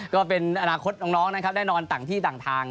ก็เป็นอนาคตน้องนะครับได้นอนต่างที่ต่างทาง